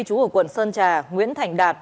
chú ở quận sơn trà nguyễn thành đạt